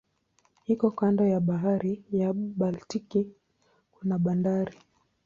Iko kando ya bahari ya Baltiki kuna bandari.